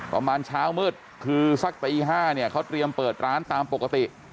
ประมาณเช้ามืดคือสักตี๕เนี่ยเขาเตรียมเปิดร้านตามปกติ